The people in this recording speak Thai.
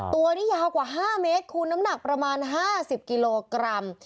ตัวนี้ยาวกว่า๕เมตรคูณน้ำหนักประมาณ๕๐กิโลกรัม